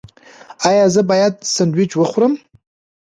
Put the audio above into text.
ایا زه باید سنډویچ وخورم؟